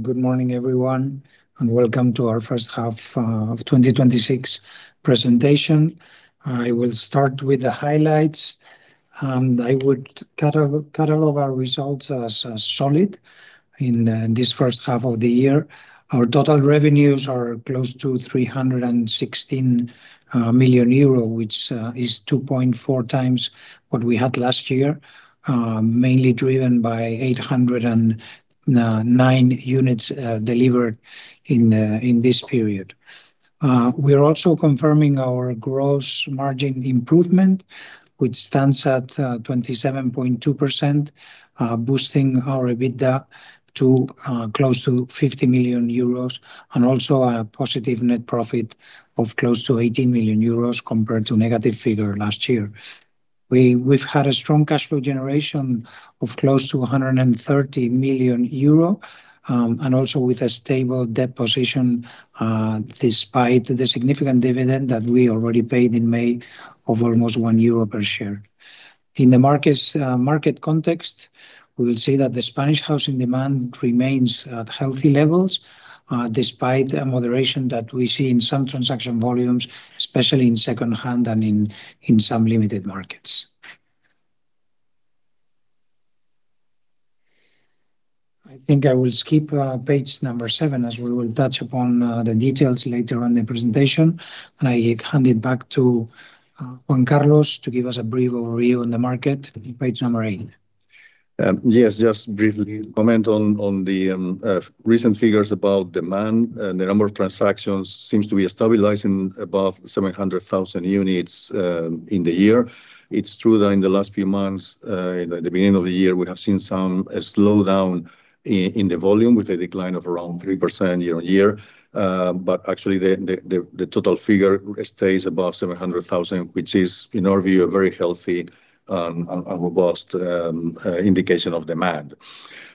Good morning, everyone, welcome to our first half of 2026 presentation. I will start with the highlights, I would catalog our results as solid in this first half of the year. Our total revenues are close to 316 million euro, which is 2.4x what we had last year, mainly driven by 809 units delivered in this period. We are also confirming our gross margin improvement, which stands at 27.2%, boosting our EBITDA to close to 50 million euros, also a positive net profit of close to 80 million euros compared to negative figure last year. We've had a strong cash flow generation of close to 130 million euro, also with a stable debt position despite the significant dividend that we already paid in May of almost 1 euro per share. In the market context, we will see that the Spanish housing demand remains at healthy levels despite a moderation that we see in some transaction volumes, especially in second-hand and in some limited markets. I think I will skip page number seven, as we will touch upon the details later in the presentation. I hand it back to Juan Carlos to give us a brief overview on the market, page number eight. Yes, just briefly comment on the recent figures about demand and the number of transactions seems to be stabilizing above 700,000 units in the year. It's true that in the last few months, in the beginning of the year, we have seen some slowdown in the volume with a decline of around 3% year-on-year. Actually, the total figure stays above 700,000, which is, in our view, a very healthy and robust indication of demand.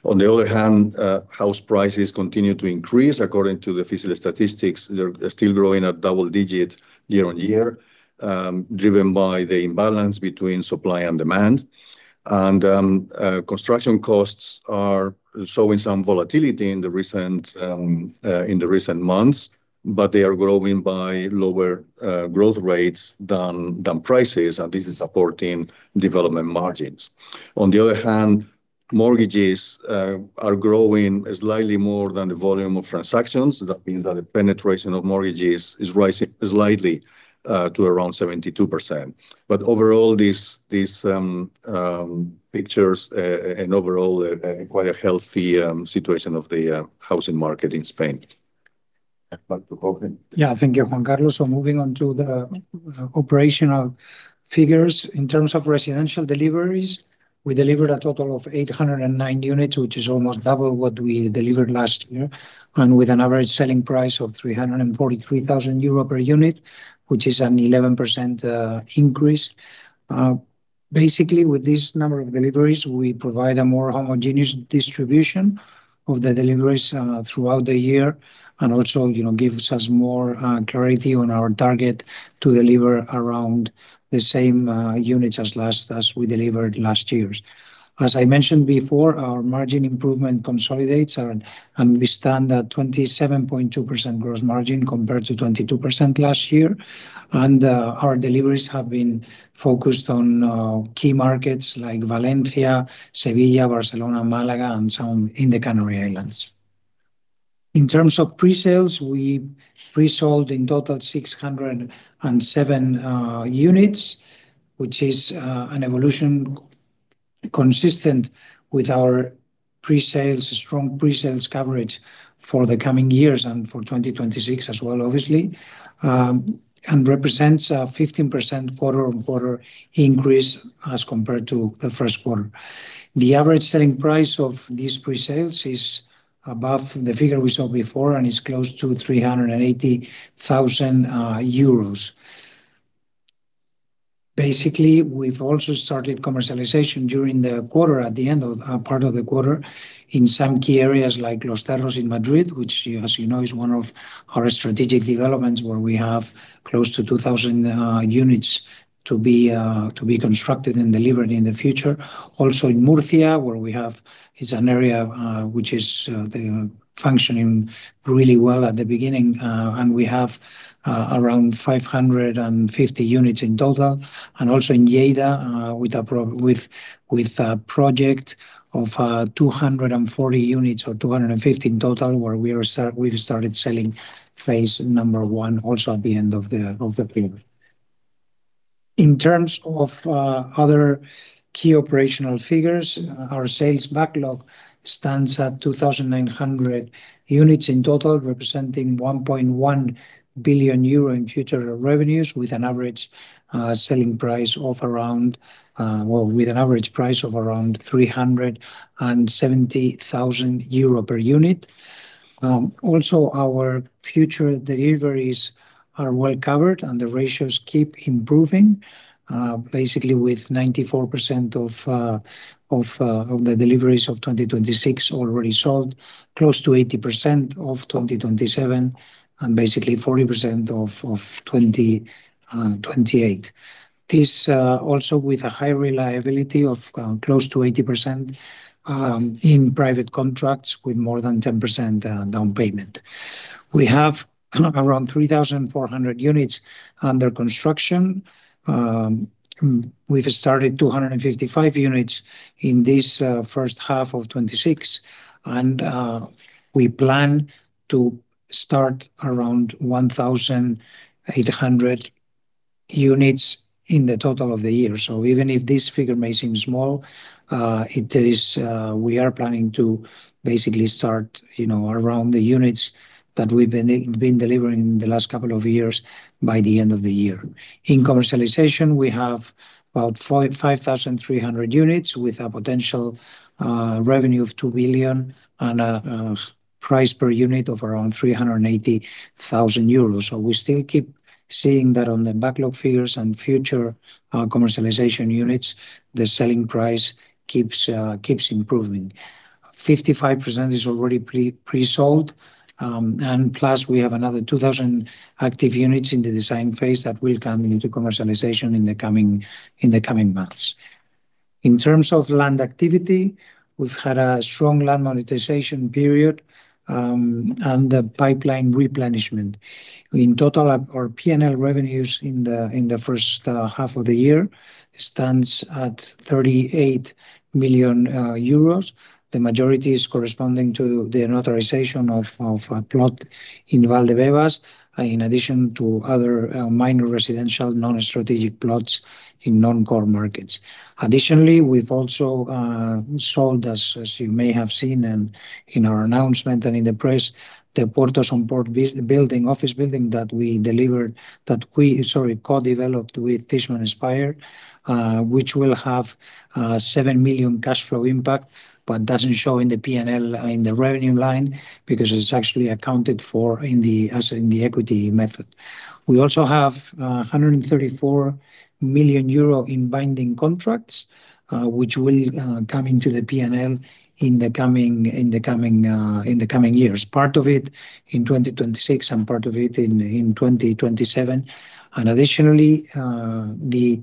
On the other hand, house prices continue to increase according to the official statistics. They're still growing at double-digit year-on-year, driven by the imbalance between supply and demand. Construction costs are showing some volatility in the recent months, but they are growing by lower growth rates than prices, and this is supporting development margins. On the other hand, mortgages are growing slightly more than the volume of transactions. That means that the penetration of mortgages is rising slightly to around 72%. Overall, these pictures and overall quite a healthy situation of the housing market in Spain. Back to Jorge. Yeah, thank you, Juan Carlos. Moving on to the operational figures. In terms of residential deliveries, we delivered a total of 809 units, which is almost double what we delivered last year, with an average selling price of 343,000 euro per unit, which is an 11% increase. With this number of deliveries, we provide a more homogeneous distribution of the deliveries throughout the year and also gives us more clarity on our target to deliver around the same units as we delivered last year. As I mentioned before, our margin improvement consolidates and we stand at 27.2% gross margin compared to 22% last year. Our deliveries have been focused on key markets like Valencia, Sevilla, Barcelona, Malaga, and some in the Canary Islands. In terms of pre-sales, we pre-sold in total 607 units, which is an evolution consistent with our strong pre-sales coverage for the coming years and for 2026 as well, obviously, and represents a 15% quarter-over-quarter increase as compared to the first quarter. The average selling price of these pre-sales is above the figure we saw before and is close to 380,000 euros. We've also started commercialization during the quarter, at the end of part of the quarter, in some key areas like Los Cerros in Madrid, which, as you know, is one of our strategic developments where we have close to 2,000 units to be constructed and delivered in the future. In Murcia, where we have is an area which is the functioning really well at the beginning, and we have around 550 units in total, and also in Lleida with a project of 240 units or 250 in total, where we've started selling phase 1 also at the end of the period. In terms of other key operational figures, our sales backlog stands at 2,900 units in total, representing 1.1 billion euro in future revenues, with an average price of around 370,000 euro per unit. Our future deliveries are well covered and the ratios keep improving. With 94% of the deliveries of 2026 already sold, close to 80% of 2027 and 40% of 2028. This also with a high reliability of close to 80% in private contracts with more than 10% down payment. We have around 3,400 units under construction. We've started 255 units in this first half of 2026, and we plan to start around 1,800 units in the total of the year. Even if this figure may seem small, we are planning to start around the units that we've been delivering in the last couple of years by the end of the year. In commercialization, we have about 5,300 units with a potential revenue of 2 billion and a price per unit of around 380,000 euros. We still keep seeing that on the backlog figures and future commercialization units, the selling price keeps improving. 55% is already pre-sold, we have another 2,000 active units in the design phase that will come into commercialization in the coming months. In terms of land activity, we've had a strong land monetization period and the pipeline replenishment. In total, our P&L revenues in the first half of the year stands at 38 million euros. The majority is corresponding to the authorization of a plot in Valdebebas, in addition to other minor residential non-strategic plots in non-core markets. We've also sold, as you may have seen in our announcement and in the press, the Puerto Somport office building that we co-developed with Tishman Speyer, which will have 7 million cash flow impact, but doesn't show in the P&L in the revenue line because it's actually accounted for in the equity method. We also have 134 million euro in binding contracts, which will come into the P&L in the coming years, part of it in 2026 and part of it in 2027. Additionally, the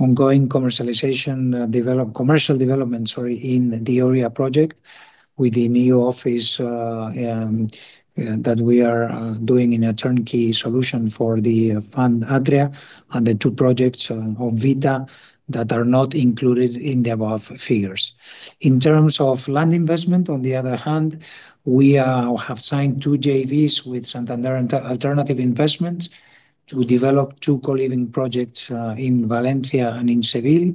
ongoing commercial developments in the Oria project with the new office that we are doing in a turnkey solution for the fund, Atria, and the two projects of Vita that are not included in the above figures. In terms of land investment, on the other hand, we have signed two JVs with Santander Alternative Investments to develop two co-living projects in Valencia and in Seville,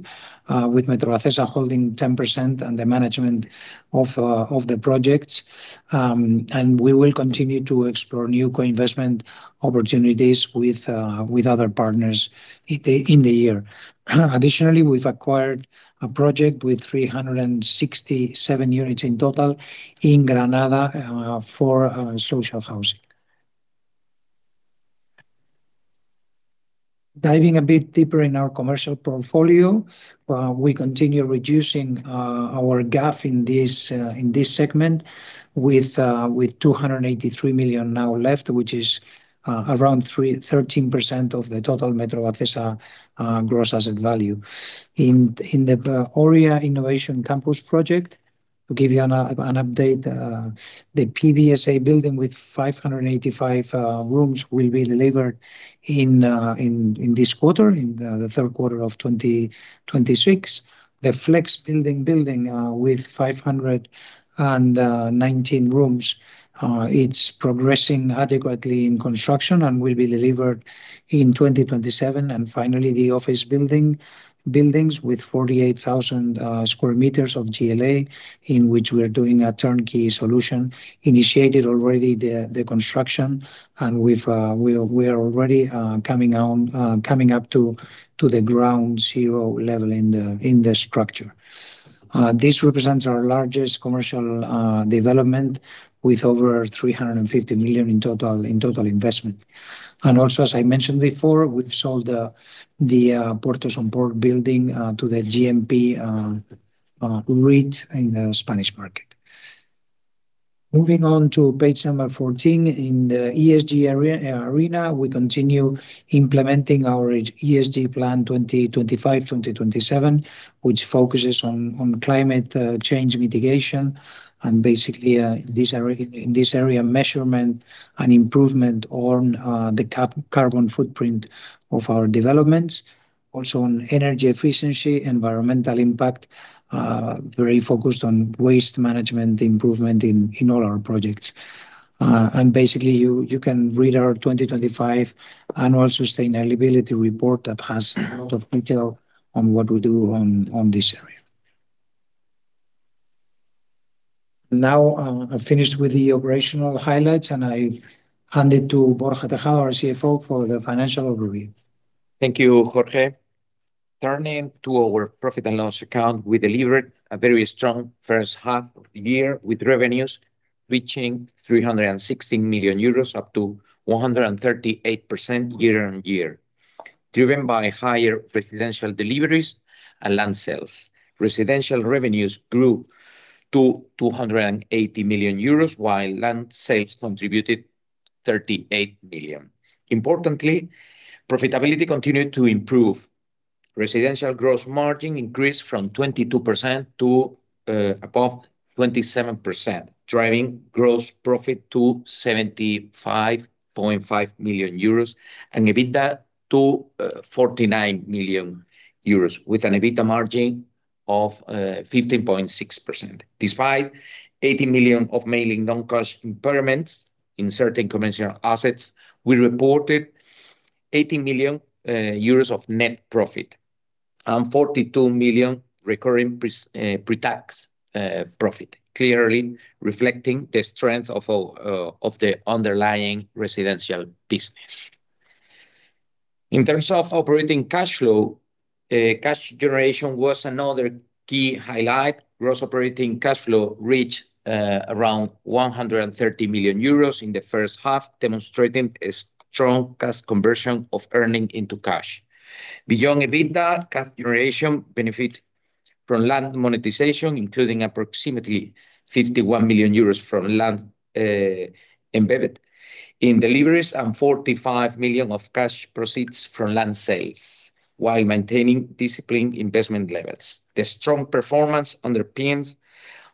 with Metrovacesa holding 10% and the management of the projects. We will continue to explore new co-investment opportunities with other partners in the year. Additionally, we've acquired a project with 367 units in total in Granada for social housing. Diving a bit deeper in our commercial portfolio, we continue reducing our gap in this segment with 283 million now left, which is around 13% of the total Metrovacesa gross asset value. In the Oria Innovation Campus project, to give you an update, the PBSA building with 585 rooms will be delivered in this quarter, in the third quarter of 2026. The Flex building with 519 rooms, it's progressing adequately in construction and will be delivered in 2027. The office buildings with 48,000 sq m of GLA, in which we are doing a turnkey solution, initiated already the construction, and we are already coming up to the ground zero level in the structure. This represents our largest commercial development with over 350 million in total investment. Also, as I mentioned before, we've sold the Puerto Somport building to the GMP REIT in the Spanish market. Moving on to page 14, in the ESG arena, we continue implementing our ESG plan 2025-2027, which focuses on climate change mitigation and, in this area, measurement and improvement on the carbon footprint of our developments. Also on energy efficiency, environmental impact, very focused on waste management improvement in all our projects. You can read our 2025 annual sustainability report that has a lot of detail on what we do on this area. Now, I've finished with the operational highlights, and I hand it to Borja Tejada, our CFO, for the financial overview. Thank you, Jorge. Turning to our profit and loss account, we delivered a very strong first half of the year, with revenues reaching 316 million euros, up to 138% year-on-year, driven by higher residential deliveries and land sales. Residential revenues grew to 280 million euros, while land sales contributed 38 million. Importantly, profitability continued to improve. Residential gross margin increased from 22% to above 27%, driving gross profit to 75.5 million euros and EBITDA to 49 million euros, with an EBITDA margin of 15.6%. Despite 80 million of mainly non-cash impairments in certain conventional assets, we reported 80 million euros of net profit and 42 million recurring pre-tax profit, clearly reflecting the strength of the underlying residential business. In terms of operating cash flow, cash generation was another key highlight. Gross operating cash flow reached around 130 million euros in the first half, demonstrating a strong cash conversion of earning into cash. Beyond EBITDA, cash generation benefit from land monetization, including approximately 51 million euros from land embedded in deliveries and 45 million of cash proceeds from land sales while maintaining disciplined investment levels. The strong performance underpins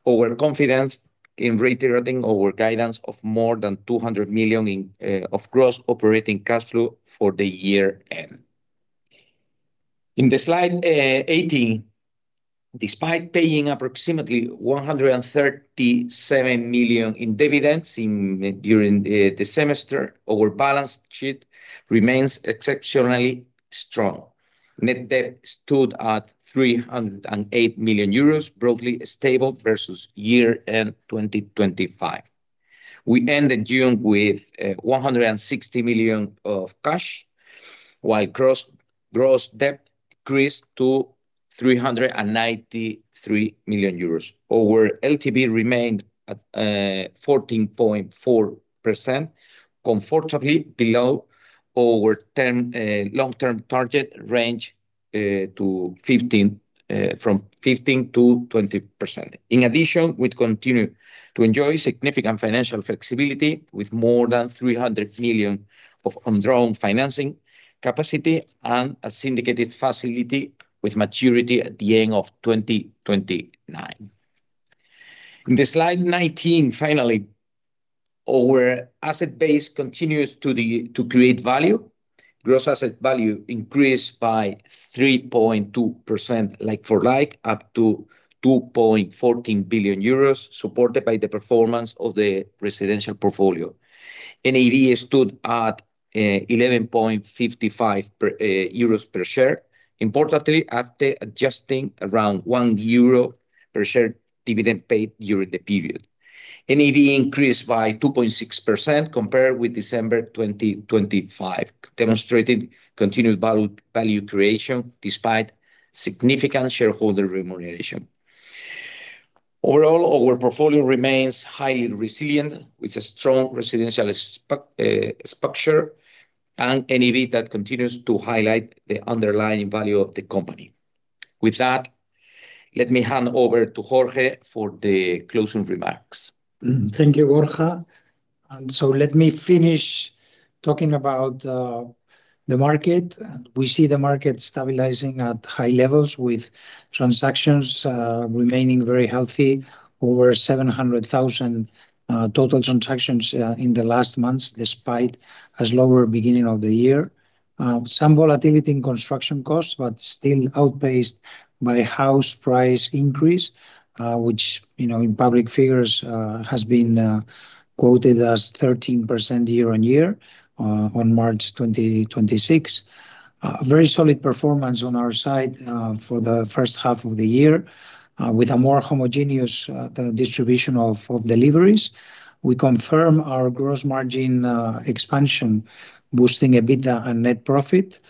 our confidence in reiterating our guidance of more than 200 million of gross operating cash flow for the year end. In the slide 18, despite paying approximately 137 million in dividends during the semester, our balance sheet remains exceptionally strong. Net debt stood at 308 million euros, broadly stable versus year-end 2025. We ended June with 160 million of cash, while gross debt increased to 393 million euros. Our LTV remained at 14.4%, comfortably below our long-term target range from 15%-20%. In addition, we continue to enjoy significant financial flexibility with more than 300 million of undrawn financing capacity and a syndicated facility with maturity at the end of 2029. In the slide 19, our asset base continues to create value. Gross asset value increased by 3.2%, like for like, up to 2.14 billion euros, supported by the performance of the residential portfolio. NAV stood at 11.55 euros per share, importantly, after adjusting around 1 euro per share dividend paid during the period. NAV increased by 2.6% compared with December 2025, demonstrating continued value creation despite significant shareholder remuneration. Overall, our portfolio remains highly resilient, with a strong residential structure and NAV that continues to highlight the underlying value of the company. With that, let me hand over to Jorge for the closing remarks. Thank you, Borja. Let me finish talking about the market. We see the market stabilizing at high levels with transactions remaining very healthy. Over 700,000 total transactions in the last months, despite a slower beginning of the year. Some volatility in construction costs, but still outpaced by house price increase, which in public figures, has been quoted as 13% year-on-year on March 2026. A very solid performance on our side for the first half of the year, with a more homogeneous distribution of deliveries. We confirm our gross margin expansion, boosting a better net profit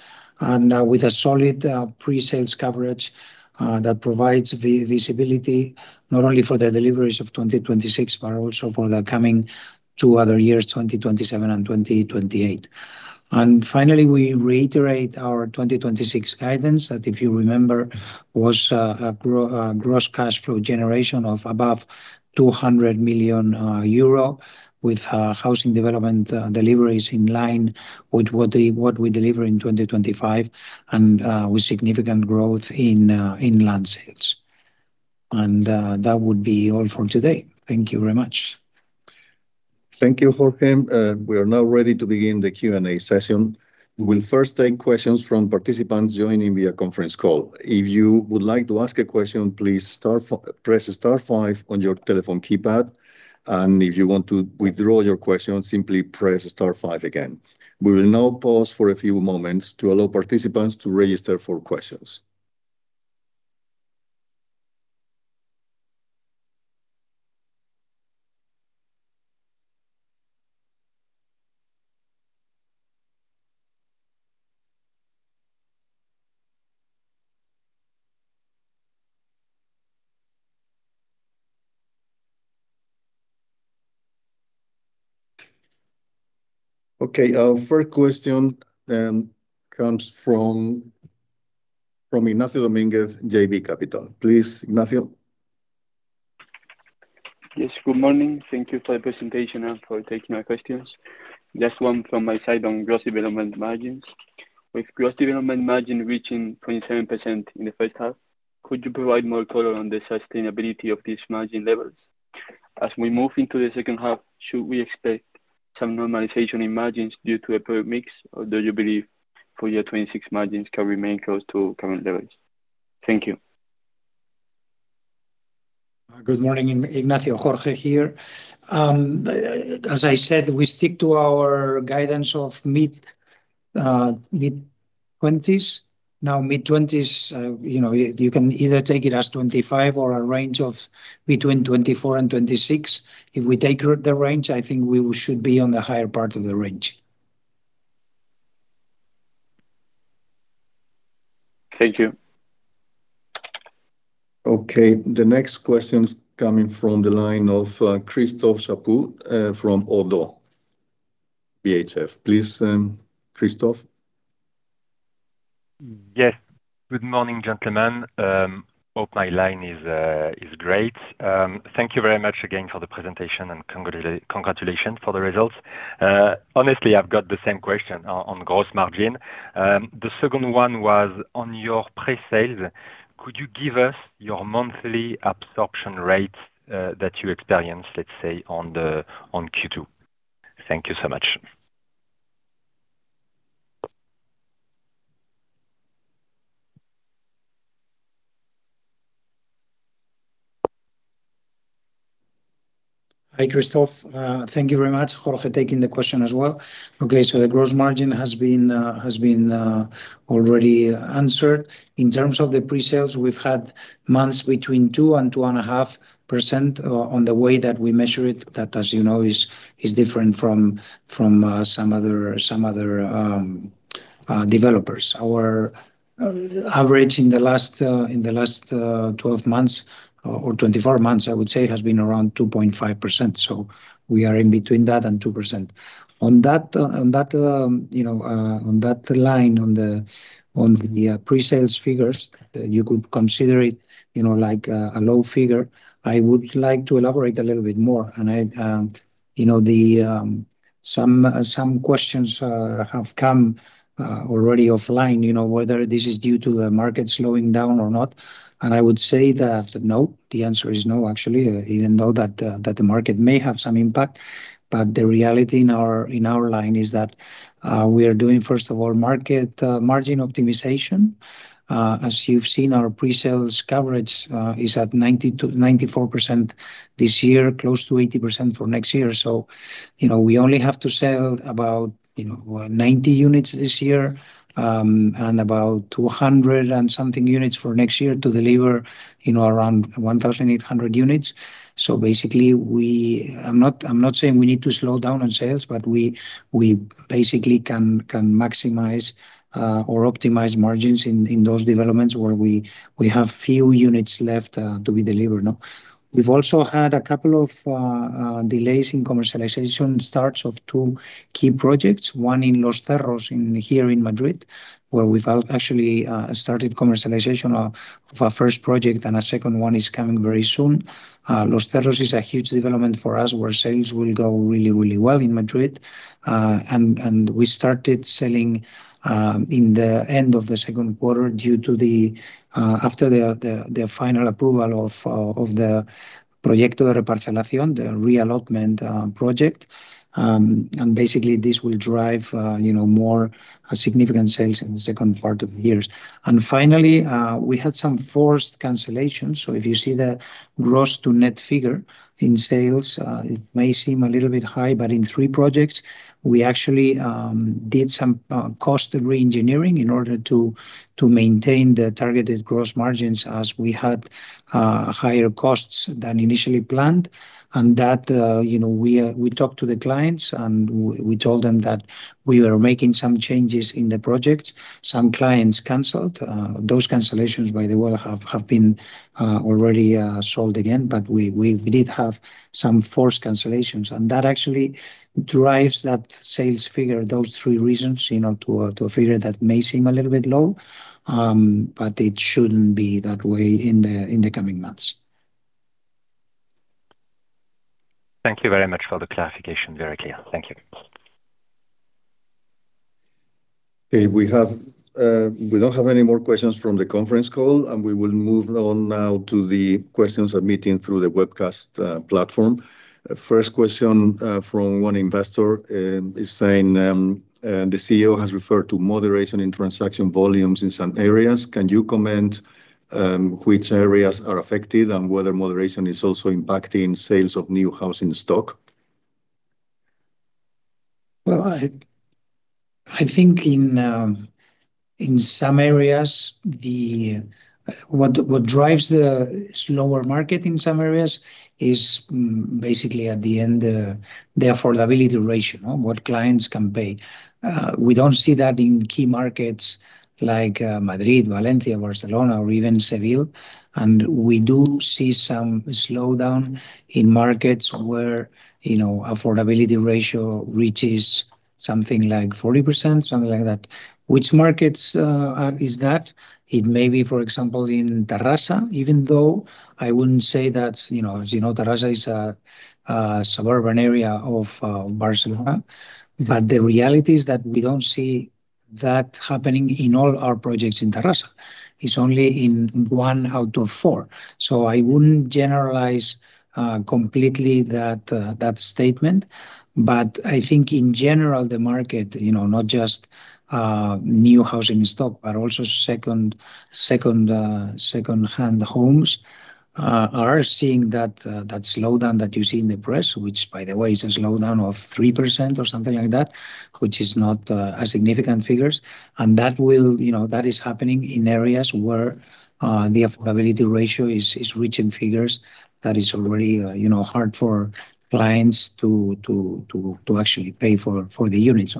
and with a solid pre-sales coverage that provides visibility not only for the deliveries of 2026, but also for the coming two other years, 2027 and 2028. Finally, we reiterate our 2026 guidance that, if you remember, was a gross cash flow generation of above 200 million euro with housing development deliveries in line with what we deliver in 2025 and with significant growth in land sales. That would be all for today. Thank you very much. Thank you, Jorge. We are now ready to begin the Q&A session. We will first take questions from participants joining via conference call. If you would like to ask a question, please press star five on your telephone keypad, and if you want to withdraw your question, simply press star five again. We will now pause for a few moments to allow participants to register for questions. Our first question comes from Ignacio Domínguez, JB Capital. Please, Ignacio. Good morning. Thank you for the presentation and for taking my questions. Just one from my side on gross development margins. With gross development margin reaching 27% in the first half, could you provide more color on the sustainability of these margin levels? As we move into the second half, should we expect some normalization in margins due to a poor mix, or do you believe full year 2026 margins can remain close to current levels? Thank you. Good morning, Ignacio. Jorge here. As I said, we stick to our guidance of mid-20s. Mid-20s, you can either take it as 25 or a range of between 24 and 26. If we take the range, I think we should be on the higher part of the range. Thank you. Okay, the next question's coming from the line of Christophe Chaput from Oddo BHF. Please, Christophe. Yes. Good morning, gentlemen. Hope my line is great. Thank you very much again for the presentation, and congratulations for the results. Honestly, I've got the same question on gross margin. The second one was on your pre-sales. Could you give us your monthly absorption rate that you experienced, let's say, on Q2? Thank you so much. Hi, Christophe. Thank you very much. Jorge taking the question as well. Okay, the gross margin has been already answered. In terms of the pre-sales, we've had months between 2% and 2.5% on the way that we measure it, that, as you know, is different from some other developers. Our average in the last 12 months, or 24 months, I would say, has been around 2.5%. We are in between that and 2%. On that line, on the pre-sales figures, you could consider it like a low figure. I would like to elaborate a little bit more, some questions have come already offline, whether this is due to the market slowing down or not. I would say that no, the answer is no, actually, even though that the market may have some impact. The reality in our line is that we are doing, first of all, market margin optimization. As you've seen, our pre-sales coverage is at 94% this year, close to 80% for next year. We only have to sell about 90 units this year, and about 200 and something units for next year to deliver around 1,800 units. Basically, I'm not saying we need to slow down on sales, but we basically can maximize or optimize margins in those developments where we have few units left to be delivered now. We've also had a couple of delays in commercialization starts of two key projects, one in Los Cerros here in Madrid, where we've actually started commercialization of our first project, and a second one is coming very soon. Los Cerros is a huge development for us, where sales will go really well in Madrid. We started selling in the end of the second quarter after the final approval of the Proyecto de Reparcelación, the reallotment project. This will drive more significant sales in the second part of the year. Finally, we had some forced cancellations. If you see the gross to net figure in sales, it may seem a little bit high, but in three projects, we actually did some cost re-engineering in order to maintain the targeted gross margins as we had higher costs than initially planned. We talked to the clients, and we told them that we were making some changes in the project. Some clients canceled. Those cancellations, by the way, have been already sold again, but we did have some forced cancellations, and that actually drives that sales figure, those three reasons, to a figure that may seem a little bit low, but it shouldn't be that way in the coming months. Thank you very much for the clarification. Very clear. Thank you. Okay. We don't have any more questions from the conference call, we will move on now to the questions submitted through the webcast platform. First question from one investor is saying, "The CEO has referred to moderation in transaction volumes in some areas. Can you comment which areas are affected, and whether moderation is also impacting sales of new housing stock? Well, I think in some areas, what drives the slower market in some areas is basically, at the end, the affordability ratio, what clients can pay. We don't see that in key markets like Madrid, Valencia, Barcelona, or even Seville. We do see some slowdown in markets where affordability ratio reaches Something like 40%, something like that. Which markets is that? It may be, for example, in Terrassa, even though I wouldn't say that. As you know, Terrassa is a suburban area of Barcelona. The reality is that we don't see that happening in all our projects in Terrassa. It's only in one out of four. I wouldn't generalize completely that statement. I think in general, the market, not just new housing stock, but also second-hand homes, are seeing that slowdown that you see in the press, which by the way, is a slowdown of 3% or something like that, which is not a significant figure. That is happening in areas where the affordability ratio is reaching figures that is already hard for clients to actually pay for the units.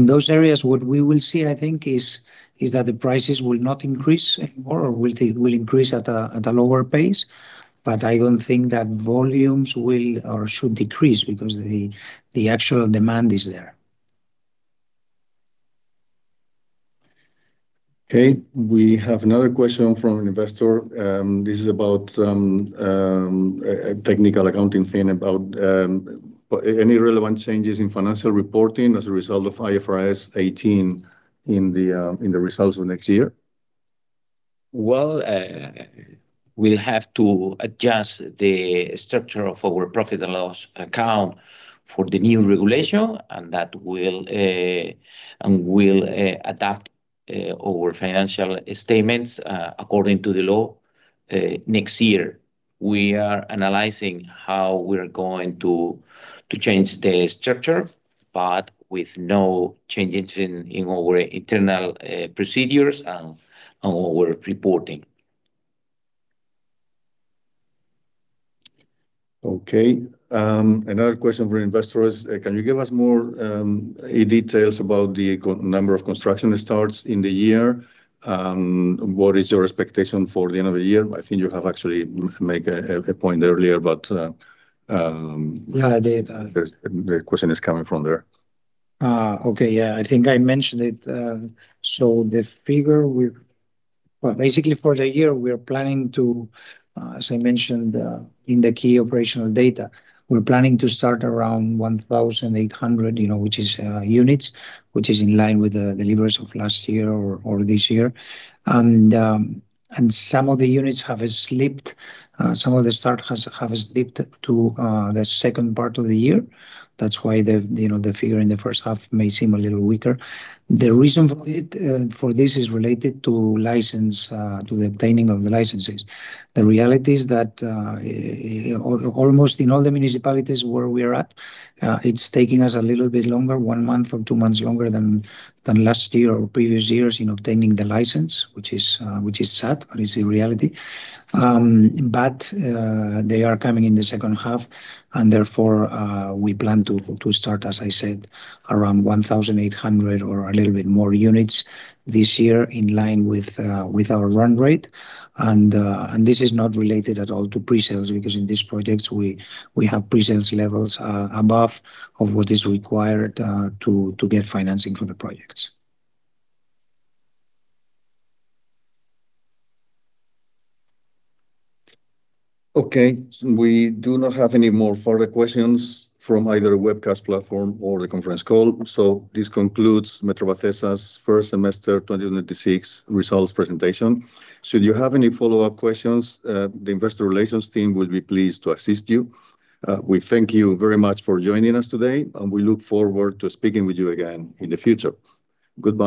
In those areas, what we will see, I think, is that the prices will not increase anymore or will increase at a lower pace. I don't think that volumes will or should decrease because the actual demand is there. Okay. We have another question from an investor. This is about a technical accounting thing about any relevant changes in financial reporting as a result of IFRS 18 in the results of next year. Well, we'll have to adjust the structure of our profit and loss account for the new regulation, and we'll adapt our financial statements according to the law next year. We are analyzing how we're going to change the structure, but with no changes in our internal procedures and our reporting. Okay. Another question from an investor is, can you give us more details about the number of construction starts in the year? What is your expectation for the end of the year? I think you have actually make a point earlier. Yeah, I did. The question is coming from there. Okay. Yeah. I think I mentioned it. The figure. Well, basically for the year, as I mentioned, in the key operational data, we're planning to start around 1,800 units, which is in line with the deliveries of last year or this year. Some of the units have slipped. Some of the start have slipped to the second part of the year. That's why the figure in the first half may seem a little weaker. The reason for this is related to the obtaining of the licenses. The reality is that, almost in all the municipalities where we are at, it's taking us a little bit longer, one month or two months longer than last year or previous years in obtaining the license, which is sad, but it's a reality. They are coming in the second half. Therefore, we plan to start, as I said, around 1,800 or a little bit more units this year in line with our run rate. This is not related at all to pre-sales because in these projects, we have pre-sales levels above of what is required to get financing for the projects. Okay. We do not have any more further questions from either webcast platform or the conference call. This concludes Metrovacesa's first semester 2026 results presentation. Should you have any follow-up questions, the investor relations team will be pleased to assist you. We thank you very much for joining us today, and we look forward to speaking with you again in the future. Goodbye.